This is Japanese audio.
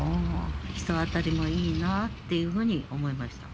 人当たりもいいなっていうふうに思いました。